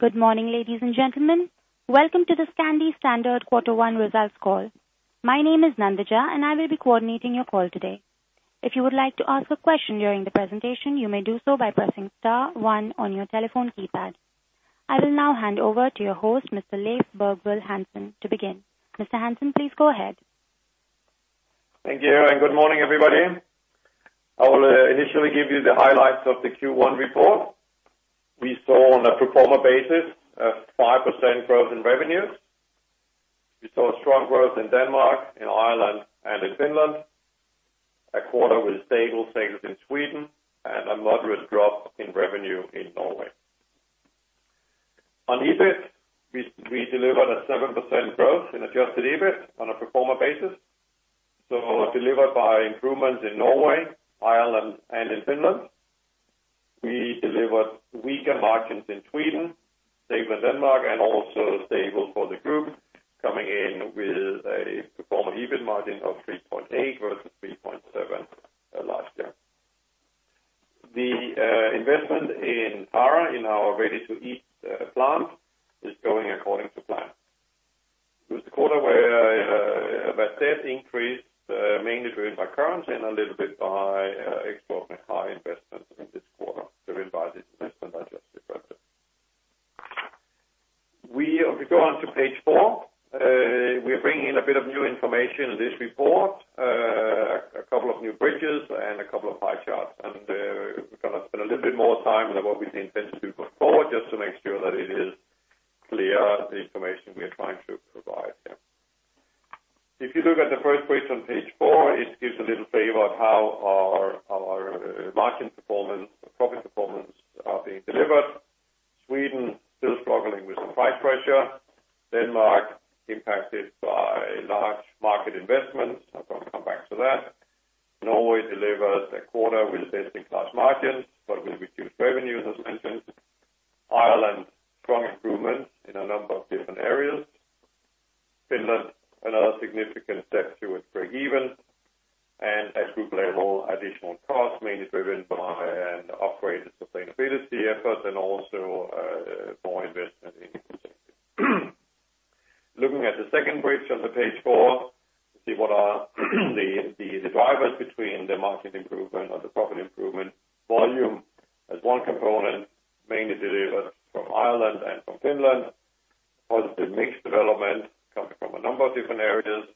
Good morning, ladies and gentlemen. Welcome to the Scandi Standard Quarter One Results call. My name is Nandija, and I will be coordinating your call today. If you would like to ask a question during the presentation, you may do so by pressing star one on your telephone keypad. I will now hand over to your host, Mr. Leif Bergvall Hansen, to begin. Mr. Hansen, please go ahead. Thank you. Good morning, everybody. I want to initially give you the highlights of the Q1 report. We saw on a pro forma basis a 5% growth in revenues. We saw strong growth in Denmark, in Ireland, and in Finland. A quarter with stable sales in Sweden and a moderate drop in revenue in Norway. On EBIT, we delivered a 7% growth in adjusted EBIT on a pro forma basis. Delivered by improvements in Norway, Ireland, and in Finland. We delivered weaker margins in Sweden, stable Denmark, and also stable for the group, coming in with a pro forma EBIT margin of 3.8% versus 3.7% last year. The investment in Farre, in our Ready-to-Eat plant, is going according to plan. It was a quarter where that debt increased, mainly driven by currency and a little bit by extraordinary high investments in this quarter. Going on to page four, we are bringing in a bit of new information in this report, a couple of new bridges, and a couple of pie charts. We're going to spend a little bit more time than what we've been tending to going forward just to make sure that it is clear, the information we are trying to provide here. If you look at the first bridge on page four, it gives a little flavor of how our margin performance, profit performance are being delivered. Sweden still struggling with some price pressure. Denmark impacted by large market investments. I'm going to come back to that. Norway delivered a quarter with best-in-class margins, but with reduced revenue, as mentioned. Ireland, strong improvements in a number of different areas. Finland, another significant step towards break-even. At group level, additional costs, mainly driven by an upgraded sustainability effort and also more investment. Looking at the second bridge on the page four, to see what are the drivers between the margin improvement or the profit improvement volume as one component mainly delivered from Ireland and from Finland. Positive mix development coming from a number of different areas.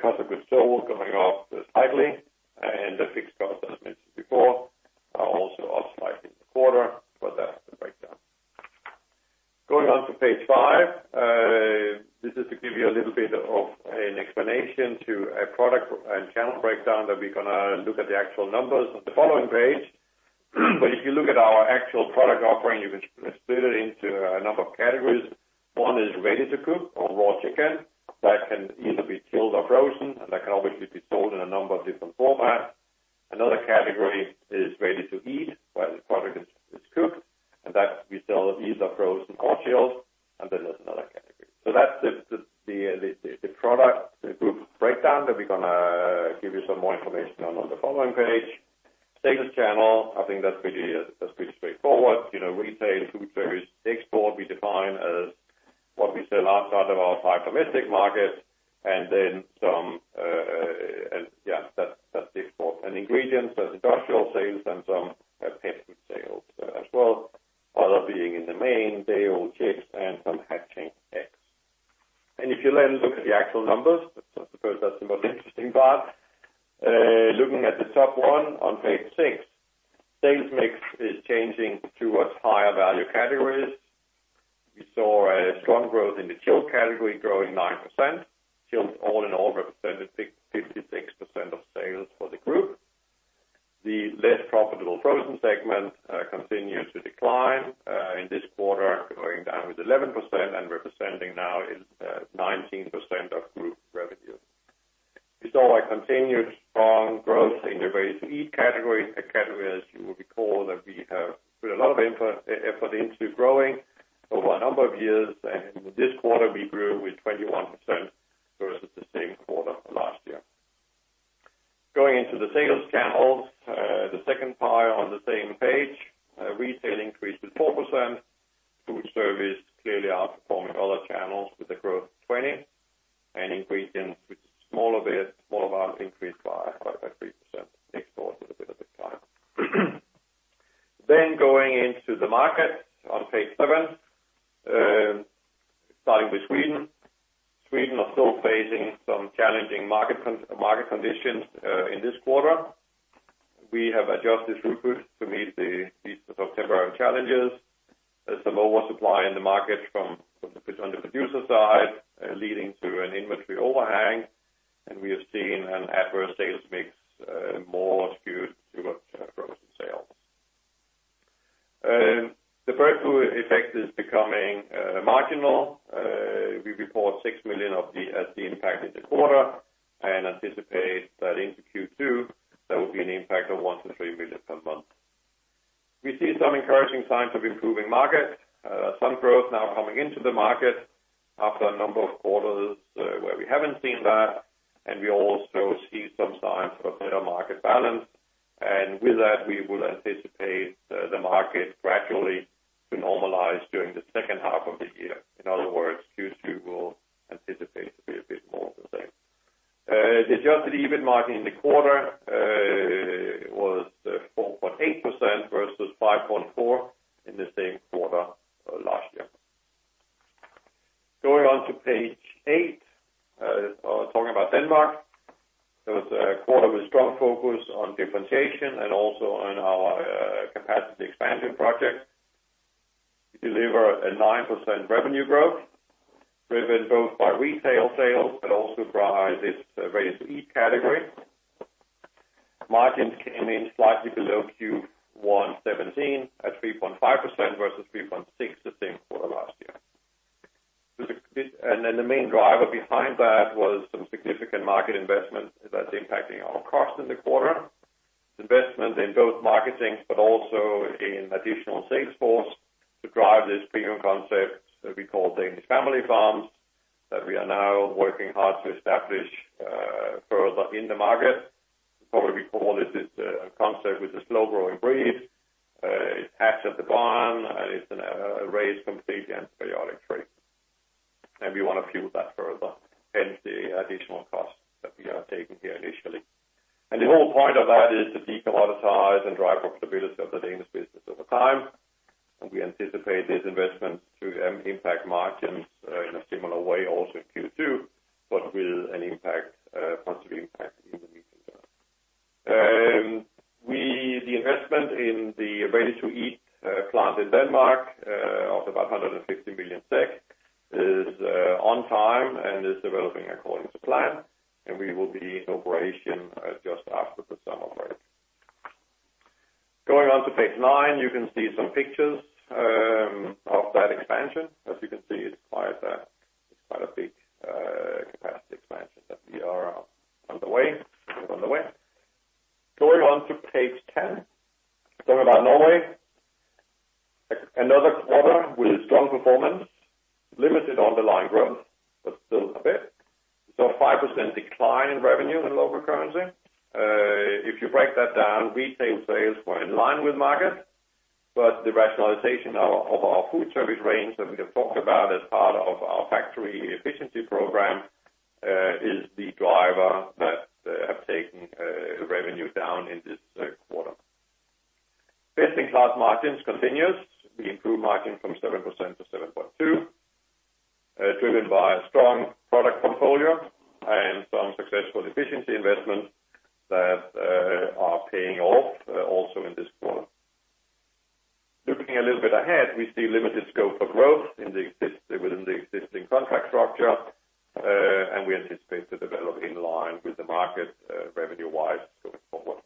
Cost of Goods Sold coming off slightly and the fixed costs, as mentioned before, are also up slightly in the quarter, but that's the breakdown. Going on to page five. This is to give you a little bit of an explanation to a product and channel breakdown that we're going to look at the actual numbers on the following page. If you look at our actual product offering, you can split it into a number of categories. One is Ready-to-Cook or raw chicken. That can either be chilled or frozen, and that can obviously be sold in a number of different formats. Another category is Ready-to-Eat, where the product is cooked, and that we sell either frozen or chilled, then there's another category. That's the product group breakdown that we're going to give you some more information on the following page. Sales channel, I think that's pretty straightforward. Retail, foodservice, export, we define as what we sell outside of our domestic market and then some Yeah, that's export. Ingredients, that's industrial sales and some pet food sales as well. Other being in the main day-old chicks and some hatching eggs. If you then look at the actual numbers, I suppose that's the most interesting part. Looking at the top one on page six. Sales mix is changing towards higher value categories. We saw a strong growth in the chilled category, growing 9%. Chilled all in all represented 56% of sales for the group. The less profitable frozen segment continues to decline, in this quarter, going down with 11% and representing now 19% of group revenue. We saw a continued strong growth in the Ready-to-Eat category. A category, as you will recall, that we have put a lot of effort into growing over a number of years, and this quarter we grew with 21% versus the same quarter last year. Going into the sales channels. The second pie on the same page. Retail increased with 4%. Foodservice clearly outperforming other channels with a growth of 20%, ingredients with smaller value increased by 3%. Export with a bit of a decline. Going into the market on page seven. Starting with Sweden. Sweden are still facing some challenging market conditions in this quarter. We have adjusted throughput to meet these temporary challenges. There's some oversupply in the market on the producer side, leading to an inventory overhang, and we have seen an adverse sales mix more skewed towards frozen sales. The bird flu effect is becoming marginal. We report 6 million as the impact in the quarter and anticipate that into Q2, there will be an impact of 1 million-3 million per month. We see some encouraging signs of improving market. Some growth now coming into the market. After a number of quarters where we haven't seen that, we also see some signs of a better market balance. With that, we will anticipate the market gradually to normalize during the second half of the year. In other words, Q2, we'll anticipate to be a bit more of the same. The adjusted EBIT margin in the quarter was 4.8% versus 5.4% in the same quarter last year. Going on to page eight, talking about Denmark. It was a quarter with strong focus on differentiation and also on our capacity expansion project. We deliver a 9% revenue growth, driven both by retail sales but also by this Ready-to-Eat category. Margins came in slightly below Q1 2017, at 3.5% versus 3.6% the same quarter last year. Then the main driver behind that was some significant market investment that's impacting our cost in the quarter. Investment in both marketings but also in additional sales force to drive this premium concept that we call Danish Family Farms, that we are now working hard to establish further in the market. Probably we call this a concept with a slow-growing breed. It has at the barn and it's raised completely antibiotic-free. We want to fuel that further, hence the additional cost that we are taking here initially. The whole point of that is to decommoditize and drive profitability of the Danish business over time, and we anticipate this investment to impact margins in a similar way also in Q2, but with a positive impact in the meantime. The investment in the ready-to-eat plant in Denmark of about 150 million DKK is on time and is developing according to plan, and we will be in operation just after the summer break. Going on to page nine, you can see some pictures of that expansion. As you can see, it's quite a big capacity expansion that we are on the way. Going on to page 10. Sorry about Norway. Another quarter with strong performance. Limited underlying growth, but still a bit. Saw 5% decline in revenue in local currency. If you break that down, retail sales were in line with market, but the rationalization of our food service range that we have talked about as part of our factory efficiency program, is the driver that have taken revenue down in this quarter. Best-in-class margins continues. We improved margin from 7% to 7.2%, driven by a strong product portfolio and some successful efficiency investments that are paying off also in this quarter. Looking a little bit ahead, we see limited scope for growth within the existing contract structure. We anticipate to develop in line with the market revenue-wise going forward.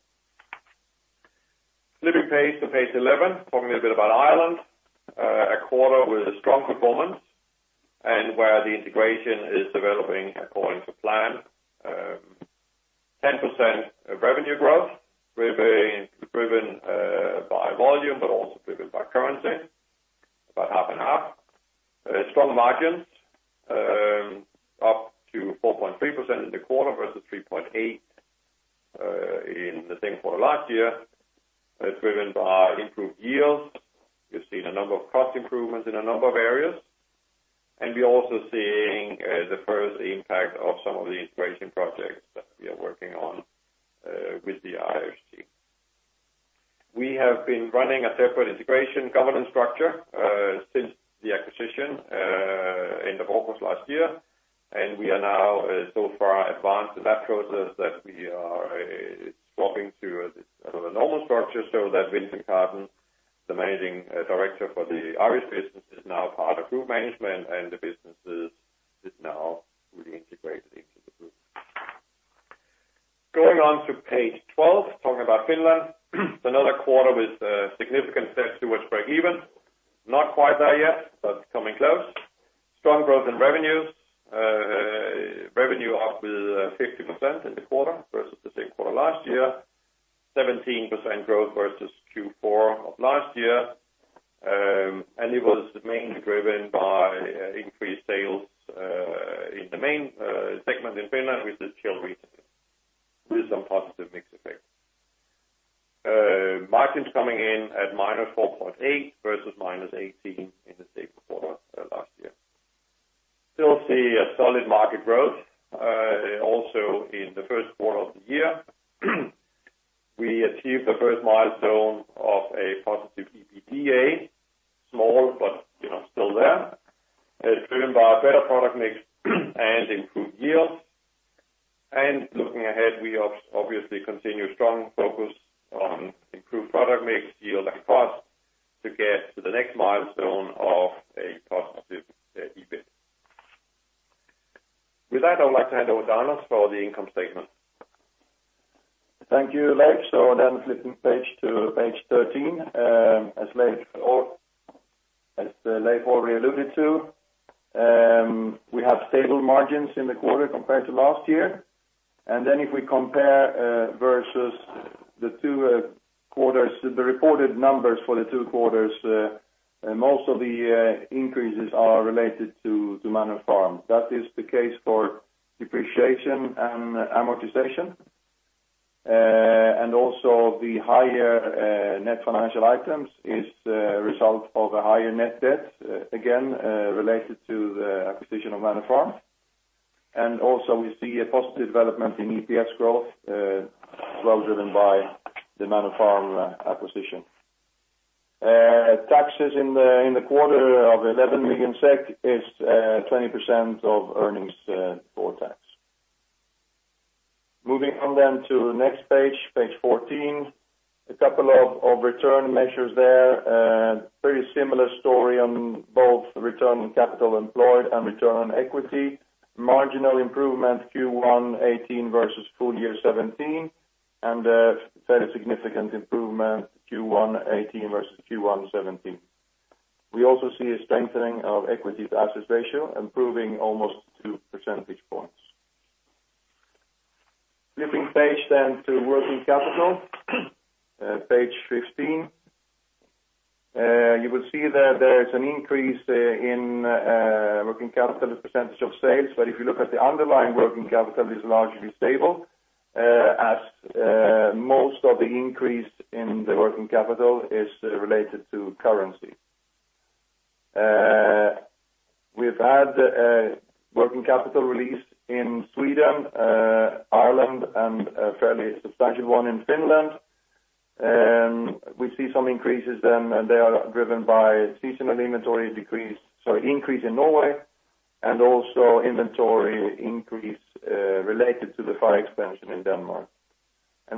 Flipping page to page 11, talking a bit about Ireland. A quarter with a strong performance, where the integration is developing according to plan. 10% revenue growth, driven by volume but also driven by currency, about half and half. Strong margins, up to 4.3% in the quarter versus 3.8% in the same quarter last year, driven by improved yields. We've seen a number of cost improvements in a number of areas. We're also seeing the first impact of some of the integration projects that we are working on with the IFC. We have been running a separate integration governance structure since the acquisition end of August last year. We are now so far advanced in that process that we are swapping to the normal structure so that Vincent Carton, the Managing Director for the Irish business, is now part of group management and the business is now fully integrated into the group. Going on to page 12, talking about Finland. Another quarter with a significant step towards breakeven. Not quite there yet, but coming close. Strong growth in revenues. Revenue up with 50% in the quarter versus the same quarter last year. 17% growth versus Q4 of last year. It was mainly driven by increased sales in the main segment in Finland, which is chilled retail, with some positive mix effects. Margins coming in at -4.8% versus -18% in the same quarter last year. Still see a solid market growth, also in the first quarter of the year. We achieved the first milestone of a positive EBITDA. Small, but still there. It's driven by better product mix and improved yields. Looking ahead, we obviously continue strong focus on improved product mix, yield, and cost to get to the next milestone of a positive EBIT. With that, I would like to hand over to Anders for the income statement. Thank you, Leif. Flipping page to page 13. As Leif already alluded to, we have stable margins in the quarter compared to last year. If we compare versus the two quarters, the reported numbers for the two quarters, most of the increases are related to Manor Farm. That is the case for depreciation and amortization. The higher net financial items is a result of a higher net debt, again, related to the acquisition of Manor Farm. We see a positive development in EPS growth driven by the Manor Farm acquisition. Taxes in the quarter of 11 million SEK is 20% of earnings before tax. Moving on to the next page 14. A couple of return measures there. Very similar story on both return on capital employed and return on equity. Marginal improvement Q1 2018 versus full year 2017, and a very significant improvement Q1 2018 versus Q1 2017. We also see a strengthening of equity to assets ratio improving almost two percentage points. Flipping page to working capital, page 15. You will see that there's an increase in working capital as a percentage of sales. If you look at the underlying working capital, it's largely stable, as most of the increase in the working capital is related to currency. We've had a working capital release in Sweden, Ireland, and a fairly substantial one in Finland. We see some increases, they are driven by seasonal inventory decrease, sorry, increase in Norway, and also inventory increase related to the Farre expansion in Denmark.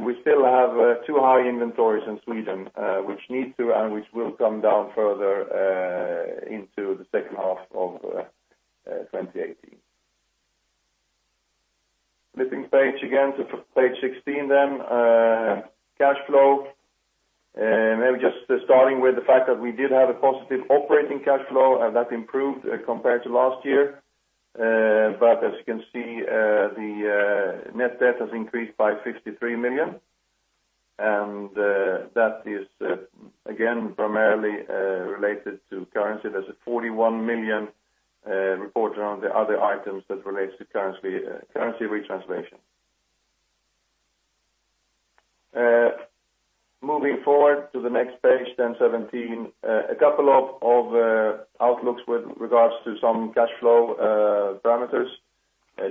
We still have too high inventories in Sweden, which need to, and which will come down further into the second half of 2018. Flipping page to page 16. Cash flow. Maybe just starting with the fact that we did have a positive operating cash flow, and that improved compared to last year. As you can see, the net debt has increased by 63 million, and that is, again, primarily related to currency. There's a 41 million reported on the other items that relates to currency retranslation. Moving to the next page 17. A couple of outlooks with regards to some cash flow parameters.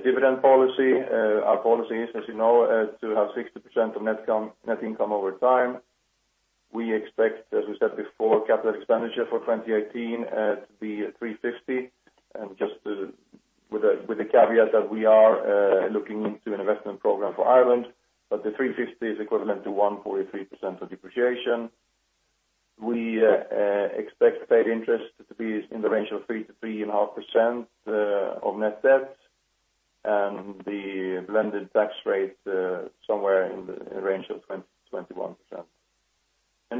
Dividend policy. Our policy is, as you know, to have 60% of net income over time. We expect, as we said before, capital expenditure for 2018 to be 350 million, and just with the caveat that we are looking into an investment program for Ireland, but the 350 million is equivalent to 143% of depreciation. We expect paid interest to be in the range of 3%-3.5% of net debt, the blended tax rate somewhere in the range of 20%-21%.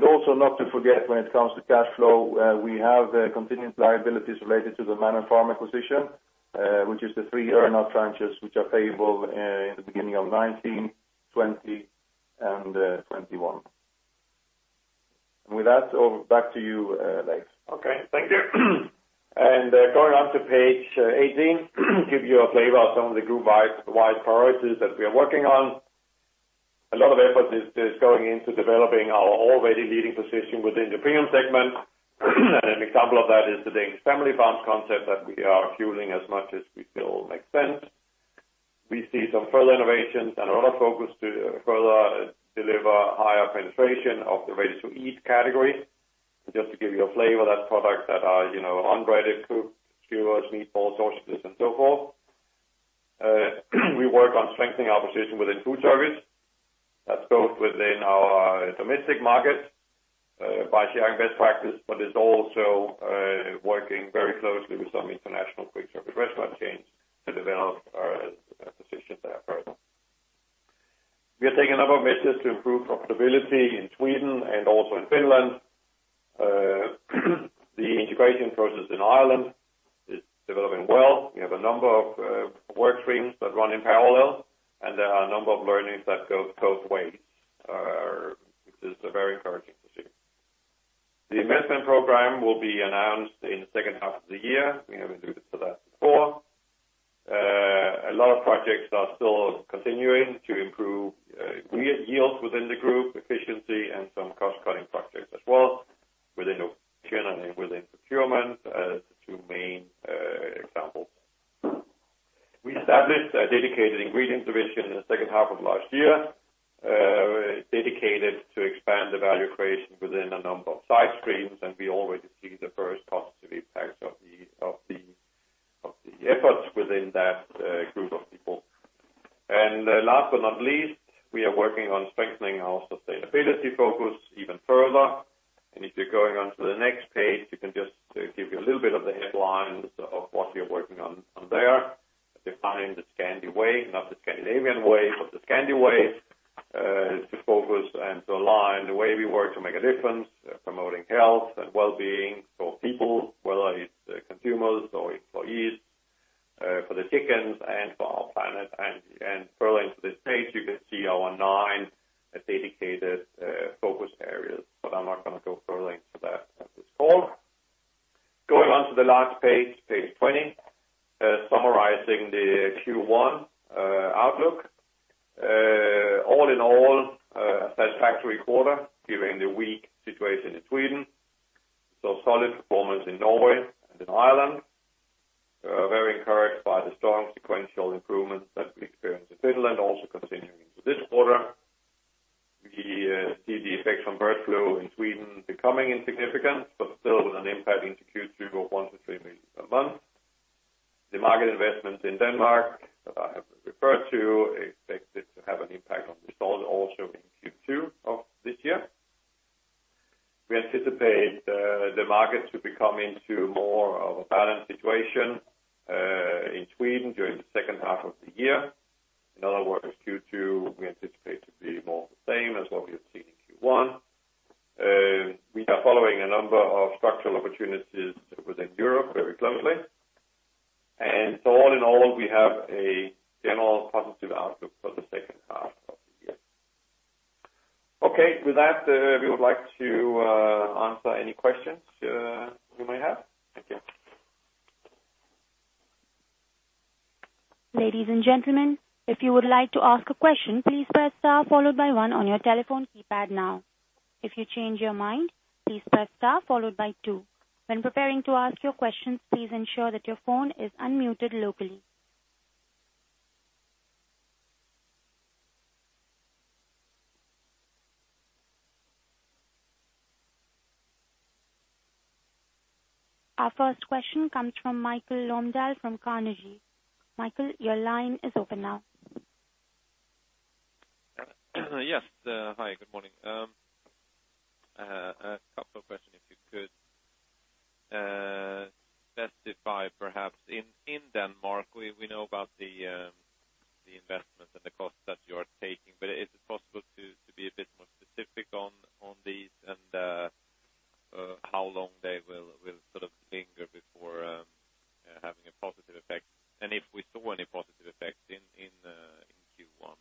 Also not to forget, when it comes to cash flow, we have continuing liabilities related to the Manor Farm acquisition, which is the three earn out tranches, which are payable in the beginning of 2019, 2020, and 2021. With that, over back to you, Leif. Okay. Thank you. Going on to page 18. Give you a flavor of some of the group-wide priorities that we are working on. A lot of effort is going into developing our already leading position within the premium segment. An example of that is the Danish Family Farms concept that we are fueling as much as we feel makes sense. We see some further innovations and a lot of focus to further deliver higher penetration of the Ready-to-Eat category. Just to give you a flavor, that's products that are unbreaded, skewers, meatballs, sausages, and so forth. We work on strengthening our position within foodservice. That's both within our domestic market by sharing best practice, but it's also working very closely with some international quick service restaurant chains to develop our position there further. We are taking a number of measures to improve profitability in Sweden and also in Finland. The integration process in Ireland is developing well. We have a number of work streams that run in parallel, there are a number of learnings that go both ways, which is very encouraging to see. The investment program will be announced in the second half of the year. We haven't done that before. A lot of projects are still continuing to improve yield within the group, efficiency, and some cost-cutting projects as well within operation and within procurement as the two main examples. We established a dedicated ingredients division in the second half of last year, dedicated to expand the value creation within a number of side streams, we already see the first positive impacts of the efforts within that group of people. Last but not least, we are working on strengthening our sustainability focus even further. If you're going onto the next page, you can just give you a little bit of the headlines of what we're working on there. Define The Scandi Way, not the Scandinavian way, but The Scandi Way. Yeah. To focus and to align the way we work to make a difference promoting health and wellbeing for people, whether it's consumers or employees, for the chickens and for our planet. Further into this page, you can see our nine dedicated focus areas, but I'm not going to go further into that at this call. Going on to the last page 20, summarizing the Q1 outlook. All in all, a satisfactory quarter during the weak situation in Sweden. Solid performance in Norway and in Ireland. We are very encouraged by the strong sequential improvements that we experienced in Finland, also continuing into this quarter. We see the effects from bird flu in Sweden becoming insignificant, but still with an impact into Q2 of 1 million-3 million a month. The market investment in Denmark that I have referred to, expected to have an impact on results also in Q2 of this year. We anticipate the market to become into more of a balanced situation, in Sweden during the second half of the year. In other words, Q2, we anticipate to be more of the same as what we have seen in Q1. We are following a number of structural opportunities within Europe very closely. All in all, we have a general positive outlook for the second half of the year. Okay. With that, we would like to answer any questions you may have. Thank you. Ladies and gentlemen, if you would like to ask a question, please press star followed by 1 on your telephone keypad now. If you change your mind, please press star followed by 2. When preparing to ask your questions, please ensure that your phone is unmuted locally. Our first question comes from Michael Lundahl from Carnegie. Michael, your line is open now. Yes. Hi, good morning. A couple of questions if you could testify, perhaps. In Denmark, we know about the investment and the cost that you are taking. Is it possible to be a bit more specific on these and how long they will linger before having a positive effect? If we saw any positive effects in Q1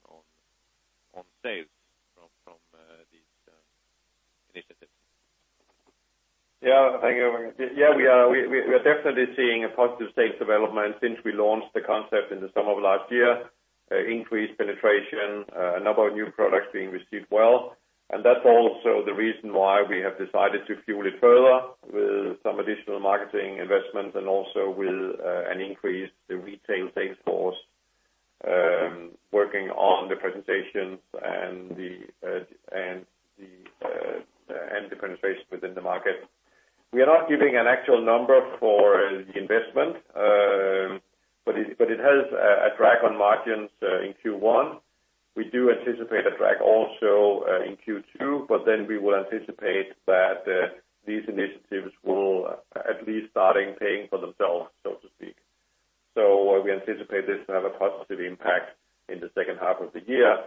on sales from these initiatives. Thank you. We are definitely seeing a positive sales development since we launched the concept in the summer of last year. Increased penetration, a number of new products being received well. That's also the reason why we have decided to fuel it further with some additional marketing investments and also with an increased retail sales force, working on the presentations and the penetration within the market. We are not giving an actual number for the investment, but it has a drag on margins in Q1. We do anticipate a drag also in Q2. We will anticipate that these initiatives will at least starting paying for themselves, so to speak. We anticipate this to have a positive impact in the second half of the year.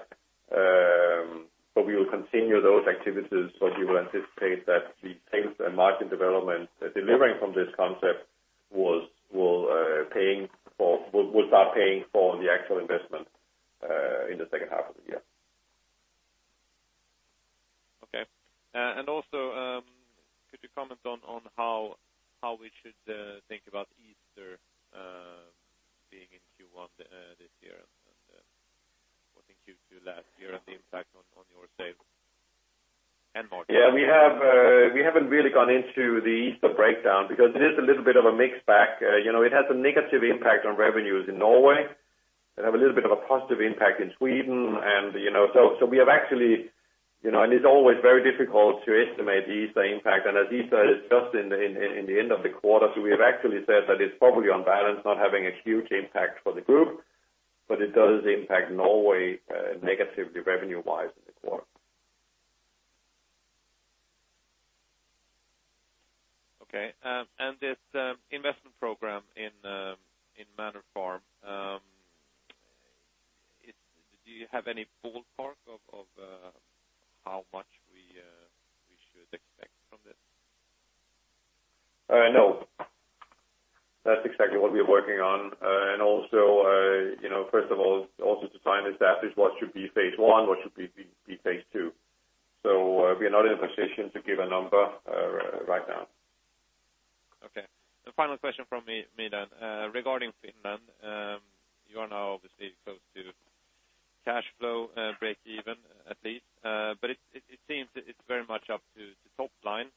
We will continue those activities, we will anticipate that the sales and margin development delivering from this concept will start paying for the actual investment in the second half of the year. Also, could you comment on how we should think about Easter, being in Q1 this year and what in Q2 last year and the impact on your sales and margin? We haven't really gone into the Easter breakdown because it is a little bit of a mix back. It has a negative impact on revenues in Norway and have a little bit of a positive impact in Sweden. It's always very difficult to estimate the Easter impact. As Easter is just in the end of the quarter, we have actually said that it's probably on balance, not having a huge impact for the group, but it does impact Norway negatively revenue-wise in the quarter. Okay. This investment program in Manor Farm, do you have any ballpark of how much we should expect from this? No. That's exactly what we're working on. First of all, also to find is that is what should be phase 1, what should be phase 2. We are not in a position to give a number right now. Okay. The final question from me then. Regarding Finland, you are now obviously close to cash flow breakeven, at least. It seems it's very much up to the top line.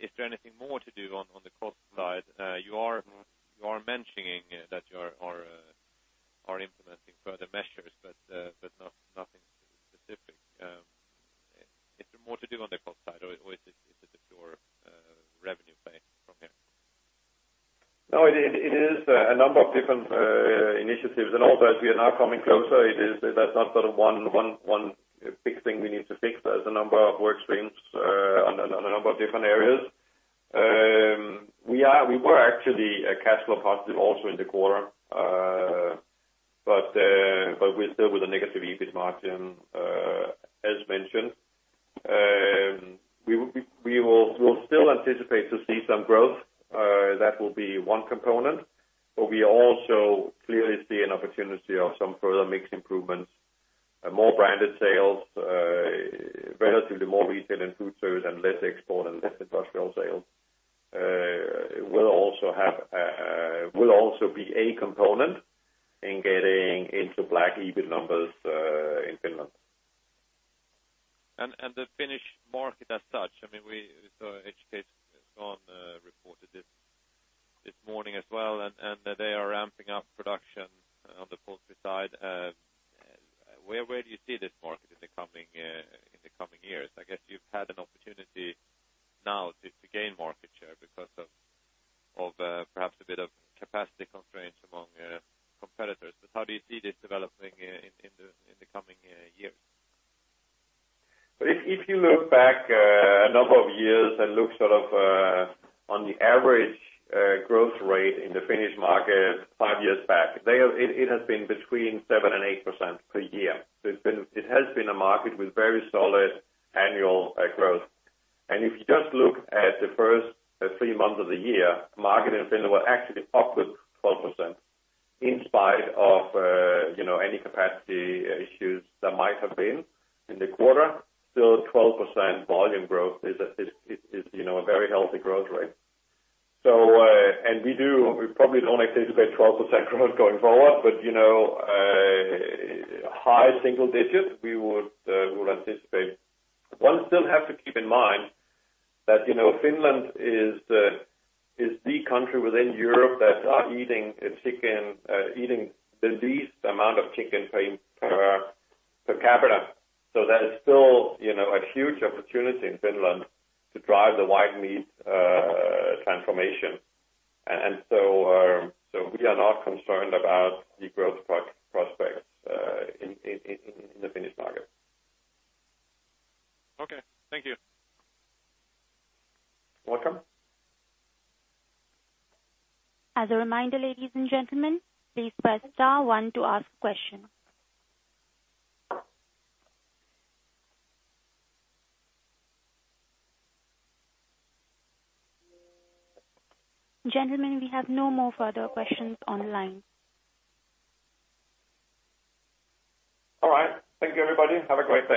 Is there anything more to do on the cost side? You are mentioning that you are implementing further measures, but nothing specific. Is there more to do on the cost side or is it a pure revenue play from here? No, it is a number of different initiatives. Also, as we are now coming closer, that's not one big thing we need to fix. There's a number of work streams on a number of different areas. We were actually cash flow positive also in the quarter. We're still with a negative EBIT margin, as mentioned. We will still anticipate to see some growth. That will be one component. We also clearly see an opportunity of some further mix improvements and more branded sales, relatively more retail and food service and less export and less industrial sales, will also be a component in getting into black EBIT numbers in Finland. The Finnish market as such, we saw HKScan reported it this morning as well, they are ramping up production on the poultry side. Where do you see this market in the coming years? I guess you've had an opportunity now to gain market share because of perhaps a bit of capacity constraints among competitors. How do you see this developing in the coming years? If you look back a number of years and look on the average growth rate in the Finnish market five years back, it has been between 7% and 8% per year. It has been a market with very solid annual growth. If you just look at the first three months of the year, market in Finland was actually up with 12%, in spite of any capacity issues that might have been in the quarter. Still, 12% volume growth is a very healthy growth rate. We probably don't anticipate 12% growth going forward, but high single digits we would anticipate. One still have to keep in mind that Finland is the country within Europe that are eating the least amount of chicken per capita. There is still a huge opportunity in Finland to drive the white meat transformation. We are not concerned about the growth prospects in the Finnish market. Okay. Thank you. Welcome. As a reminder, ladies and gentlemen, please press star one to ask questions. Gentlemen, we have no more further questions on the line. All right. Thank you everybody. Have a great day.